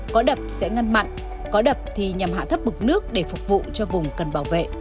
có đập sẽ ngăn mặn có đập thì nhằm hạ thấp mực nước để phục vụ cho vùng cần bảo vệ